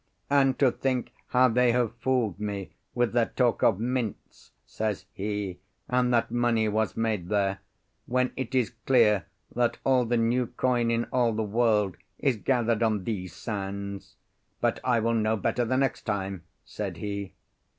"And to think how they have fooled me with their talk of mints," says he, "and that money was made there, when it is clear that all the new coin in all the world is gathered on these sands! But I will know better the next time!" said he.